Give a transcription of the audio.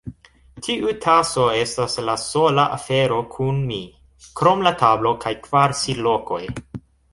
Tiu taso estas la sola afero kun mi, krom la tablo kaj kvar sidlokoj.